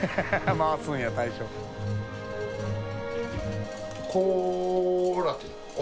回すんや大将店主）